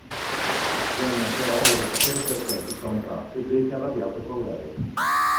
Jenna però vuole sapere perché, tutt'a un tratto, Jake è arrabbiato con lei.